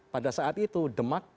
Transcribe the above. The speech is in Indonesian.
pada saat itu demak